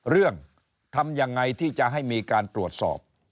เรื่องทำยังไงที่จะให้มีการตรวจสอบ